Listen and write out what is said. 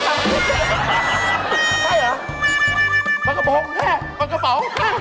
หัวแห่งของแค่ปันกะโปะ